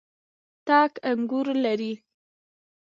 تاک انګور لري.